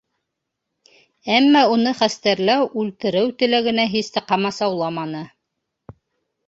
Әммә уны хәстәрләү үлтереү теләгенә һис тә ҡамасауламаны.